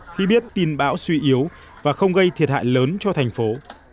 khi biết tin bão suy yếu và không gây thiệt hại lớn cho thành phố